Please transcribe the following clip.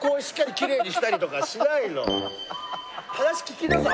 話聞きなさい。